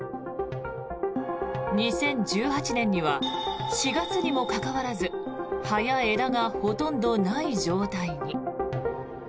２０１８年には４月にもかかわらず葉や枝がほとんどない状態に。